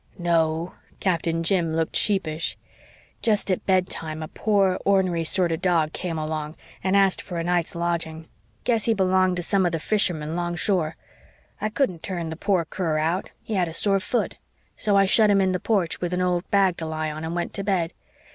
"No." Captain Jim looked sheepish. "Just at bedtime a poor, ornery sort of dog came along and asked for a night's lodging. Guess he belonged to some of the fishermen 'long shore. I couldn't turn the poor cur out he had a sore foot. So I shut him in the porch, with an old bag to lie on, and went to bed.